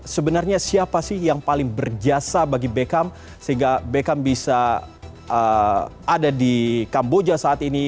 sebenarnya siapa sih yang paling berjasa bagi beckham sehingga beckham bisa ada di kamboja saat ini